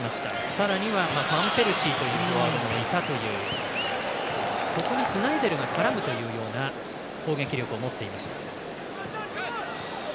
さらにはファンペルシーというフォワードもいたというそこにスナイデルが絡むというような攻撃力を持っていました。